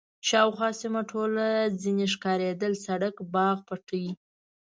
شاوخوا سیمه ټوله ځنې ښکارېدل، سړک، باغ، پټی.